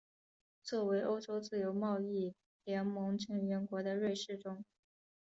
作为欧洲自由贸易联盟成员国的瑞士中。